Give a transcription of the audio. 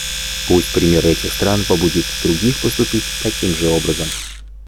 Пусть пример этих стран побудит других поступить таким же образом.